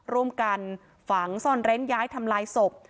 ร่วมกันฝังซ่อนเร้นย้ายทำลายศพ